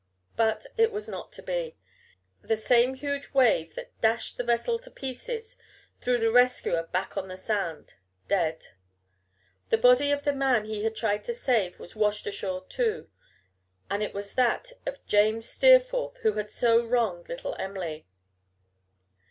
But it was not to be. The same huge wave that dashed the vessel to pieces threw the rescuer back on the sand, dead. The body of the man he had tried to save was washed ashore, too, and it was that of James Steerforth, who had so wronged little Em'ly!